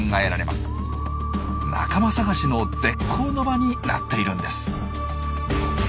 仲間探しの絶好の場になっているんです。